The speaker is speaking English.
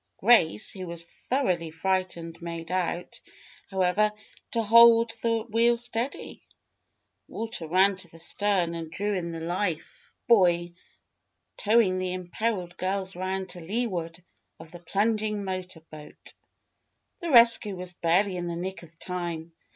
Grace, who was thoroughly frightened, made out, however, to hold the wheel steady. Walter ran to the stern and drew in the life buoy, towing the imperiled girls round to leeward of the plunging motor boat. The rescue was barely in the nick of time.